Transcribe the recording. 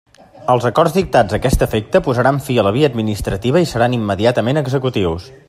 Els acords dictats a aquest efecte posaran fi a la via administrativa i seran immediatament executius.